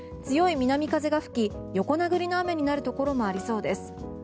強い南風が吹き横殴りの雨になるところもありそうです。